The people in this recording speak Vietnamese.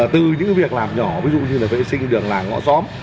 từ những việc làm nhỏ ví dụ như là vệ sinh đường làng ngõ xóm